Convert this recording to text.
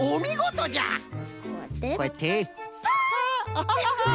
アハハハハ！